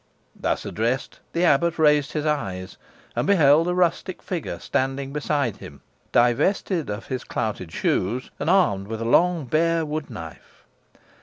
Thus addressed, the abbot raised his eyes, and beheld a rustic figure standing beside him, divested of his clouted shoes, and armed with a long bare wood knife.